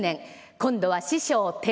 今度は師匠貞